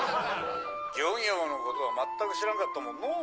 漁業のことは全く知らんかったもんのう。